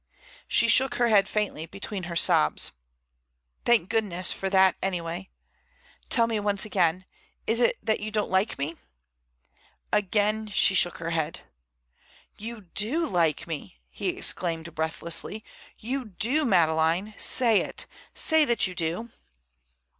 She shook her head faintly between her sobs. "Thank goodness for that anyway. Tell me once again. Is it that you don't like me?" Again she shook her head. "You do like me!" he exclaimed breathlessly. "You do, Madeleine. Say it! Say that you do!"